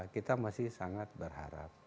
kita masih sangat berharap